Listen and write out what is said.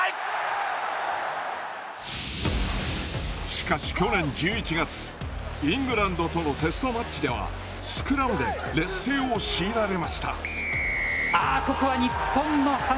しかし去年１１月イングランドとのテストマッチではスクラムで劣勢を強いられました。